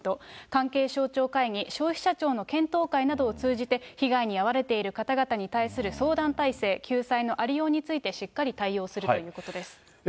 関係省庁会議、消費者庁の検討会などを通じて、被害に遭われている方々に対する相談体制、救済のありようについて、しっかり対応するということです。